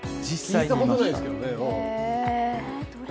聞いたことがないですけどね。